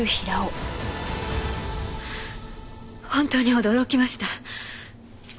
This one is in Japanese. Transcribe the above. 本当に驚きました。